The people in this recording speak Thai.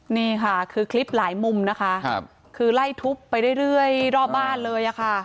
นี่ค่ะคือคลิปหลายมุมนะคะคือไล่ทุบไปเรื่อยรอบบ้านเลยค่ะ